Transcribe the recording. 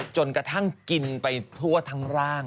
จนกระทั่งกินไปทั่วทั้งร่าง